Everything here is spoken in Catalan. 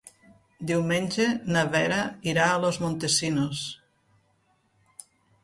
Diumenge na Vera irà a Los Montesinos.